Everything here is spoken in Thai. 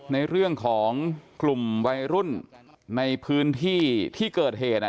ในเรื่องของกลุ่มวัยรุ่นในพื้นที่ที่เกิดเหตุ